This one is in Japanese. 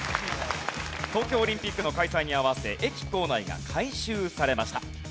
東京オリンピックの開催に合わせ駅構内が改修されました。